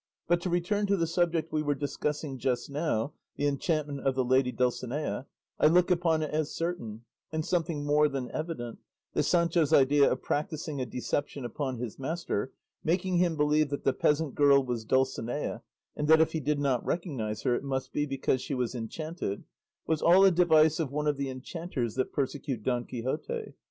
But to return to the subject we were discussing just now, the enchantment of the lady Dulcinea, I look upon it as certain, and something more than evident, that Sancho's idea of practising a deception upon his master, making him believe that the peasant girl was Dulcinea and that if he did not recognise her it must be because she was enchanted, was all a device of one of the enchanters that persecute Don Quixote.